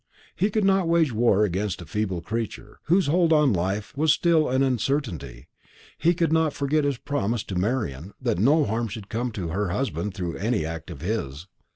He could not wage war against a feeble creature, whose hold on life was still an uncertainty; he could not forget his promise to Marian, that no harm should come to her husband through any act of his.